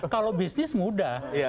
kalau bisnis mudah